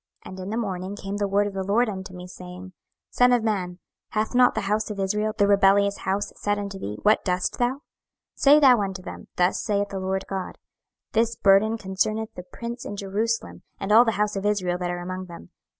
26:012:008 And in the morning came the word of the LORD unto me, saying, 26:012:009 Son of man, hath not the house of Israel, the rebellious house, said unto thee, What doest thou? 26:012:010 Say thou unto them, Thus saith the Lord GOD; This burden concerneth the prince in Jerusalem, and all the house of Israel that are among them.